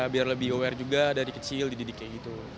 biar lebih aware juga dari kecil dididik kayak gitu